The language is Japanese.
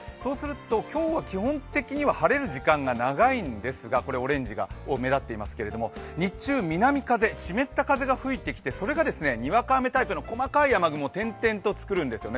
今日は基本的には晴れの時間が長いんですけれどこれ、オレンジが目立っていますけれども、日中、南風、湿った風が吹いてきて、それがにわか雨タイプの細かい雨雲点々と作るんですよね。